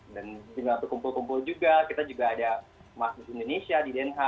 dan juga untuk kumpul kumpul juga kita juga ada mas indonesia di den haag